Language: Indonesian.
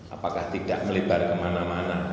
apakah tidak melebar kemana mana